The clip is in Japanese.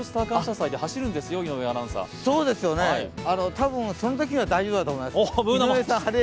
多分オールスターのときには大丈夫だと思います。